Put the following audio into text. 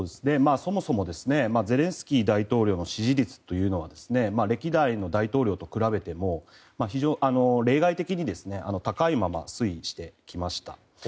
そもそもゼレンスキー大統領の支持率というのは歴代の大統領と比べても例外的に高いまま推移してきました。